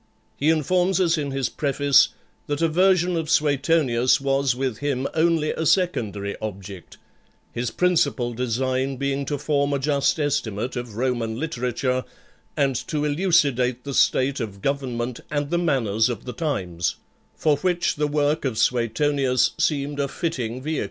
He informs us in his Preface, that a version of Suetonius was with him only a secondary object, his principal design being to form a just estimate of Roman literature, and to elucidate the state of government, and the manners of the times; for which the work of Suetonius seemed a fitting vehicle.